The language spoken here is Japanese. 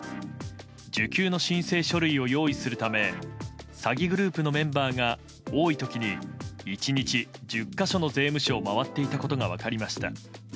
受給の申請書類を用意するために詐欺グループのメンバーが多い時に１日１０か所の税務署を回っていたことが分かりました。